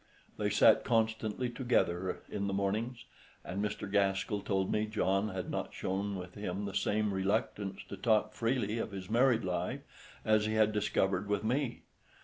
They sat constantly together in the mornings, and Mr. Gaskell told me John had not shown with him the same reluctance to talk freely of his married life as he had discovered with me.